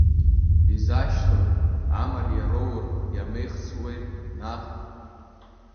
Изашьҭои, амариа роур, иамеихсуеи, наҟ…